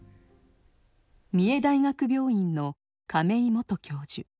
三重大学病院の亀井元教授。